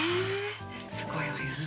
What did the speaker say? すごいわよね。